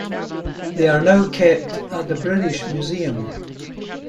They are now kept at the British Museum.